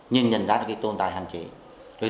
nhìn nhận ra tồn tại hạn chế